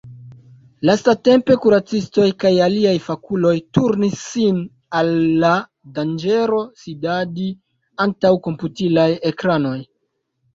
Lastatempe kuracistoj kaj aliaj fakuloj turnis sin al la danĝero sidadi antaŭ komputilaj ekranoj.